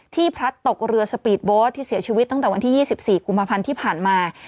พลัดตกเรือสปีดโบสต์ที่เสียชีวิตตั้งแต่วันที่๒๔กุมภาพันธ์ที่ผ่านมา